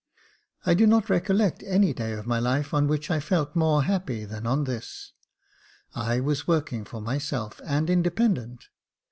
I do not recollect any day of my life on which I felt more happy than on this : I was working for myself, and independent.